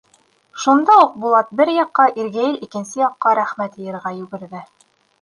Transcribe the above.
Шунда уҡ Булат бер яҡҡа, Иргәйел икенсе яҡҡа рәхмәт йыйырға йүгерҙе.